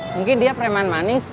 mungkin dia preman manis